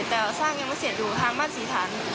แต่สร้างยังไม่เสร็จอยู่ทางบ้านศรีฐาน